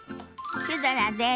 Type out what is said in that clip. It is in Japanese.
シュドラです。